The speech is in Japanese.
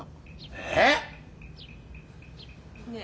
えっ？ねえ。